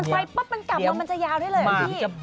มันละไปปุ๊บกลับมามันจะยาวได้เลย